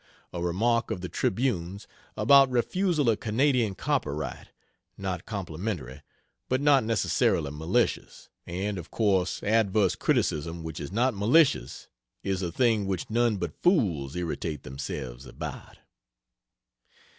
A remark of the Tribune's about refusal of Canadian copyright, not complimentary, but not necessarily malicious and of course adverse criticism which is not malicious is a thing which none but fools irritate themselves about.